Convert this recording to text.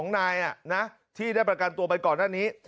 ๒นายที่ได้ประกันตัวไปก่อนหน้านี้